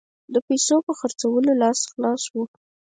د پیسو په خرڅولو لاس خلاص وو.